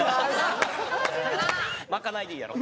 「まかない」でいいやろ？